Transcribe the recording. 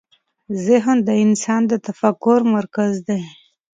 ذهن د انسان د تفکر مرکز دی.